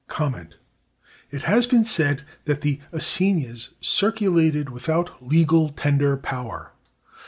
(249) It has been said that the assignats circulated without legal tender power.